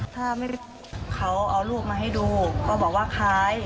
ถ้าเขาเอารูปมาให้ดูก็บอกว่าคล้าย